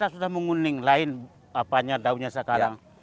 sudah menguning lain apanya daunnya sekarang